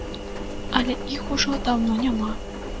Але іх ужо даўно няма.